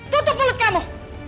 tutup mulut kamu